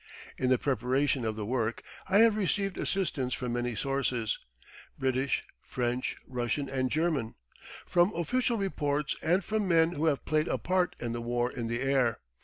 In the preparation of the work I have received assistance from many sources British, French, Russian and German from official reports and from men who have played a part in the War in the Air.